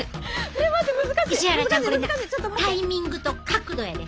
これタイミングと角度やで。